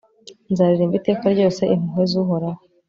nzaririmba iteka ryose impuhwe z'uhoraho